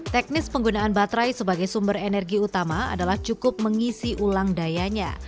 teknis penggunaan baterai sebagai sumber energi utama adalah cukup mengisi ulang dayanya